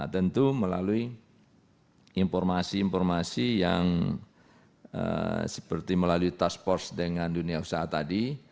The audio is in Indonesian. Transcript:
tentu melalui informasi informasi yang seperti melalui task force dengan dunia usaha tadi